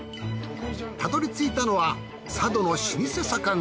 たどり着いたのは佐渡の老舗酒蔵。